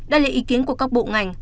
đã lệ ý kiến của các bộ ngành